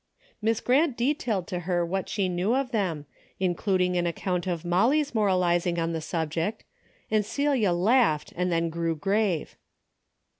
Miss Grant detailed to her what she knew of them, including an account of Molly's mor alizing on the subject, and Celia laughed, and then grew grave.